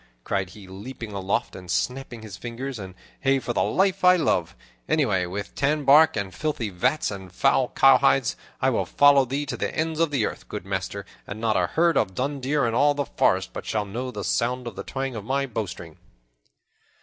cried he, leaping aloft and snapping his fingers, "and hey for the life I love! Away with tanbark and filthy vats and foul cowhides! I will follow thee to the ends of the earth, good master, and not a herd of dun deer in all the forest but shall know the sound of the twang of my bowstring."